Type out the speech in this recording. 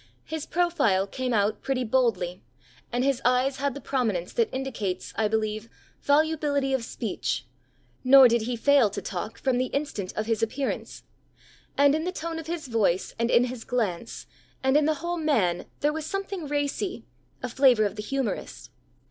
His profile came out pretty boldly, and his eyes had the prominence that indicates, I believe, volubility of speech; nor did he fail to talk from the instant of his appearance; and in the tone of his voice, and in his glance, and in the whole man, there was something racy a flavour of the humourist.